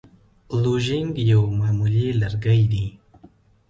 لوژینګ یو معمولي لرګی دی.